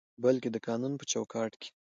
بلکې د قانون په چوکاټ کې